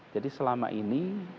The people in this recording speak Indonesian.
jadi selama ini